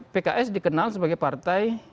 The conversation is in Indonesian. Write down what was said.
pks dikenal sebagai partai